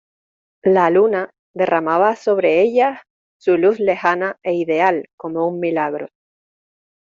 la luna derramaba sobre ellas su luz lejana e ideal como un milagro.